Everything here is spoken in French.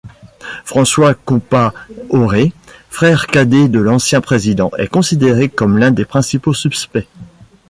François Compaoré, frère cadet de l’ancien président, est considéré comme l’un des principaux suspects.